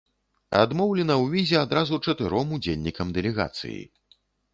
Адмоўлена ў візе адразу чатыром удзельнікам дэлегацыі.